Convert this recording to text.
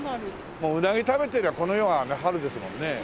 もううなぎ食べてりゃこの世は春ですもんね。